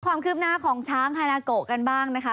ความคืบหน้าของช้างฮานาโกกันบ้างนะคะ